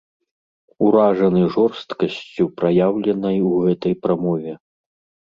Уражаны жорсткасцю, праяўленай у гэтай прамове.